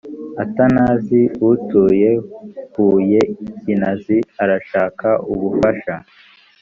atanazi utuye huye kinazi arashaka ubufasha